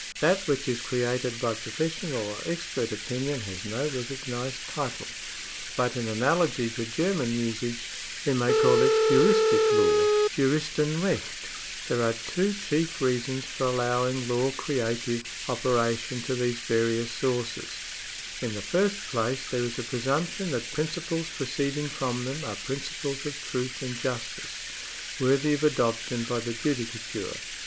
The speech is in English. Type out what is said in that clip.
That which is created by professional or expert opinion has no recognised title, but in analogy to German usage we may call it juristic law (Juristenrecht). There are two chief reasons for allowing law creative § 4G] THE SOURCES OF LAW 121 operation to these various sources. In the first place there is a presumption that principles proceeding from them are principles of truth and justice, worthy of adoption by the judicature.